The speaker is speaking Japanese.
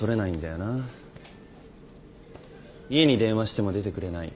家に電話しても出てくれない。